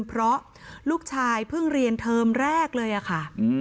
เพราะลูกชายเพิ่งเรียนเทอมแรกเลยอะค่ะ